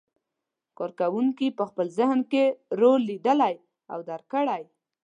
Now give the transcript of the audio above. کار کوونکي په خپل ذهن کې رول لیدلی او درک کړی.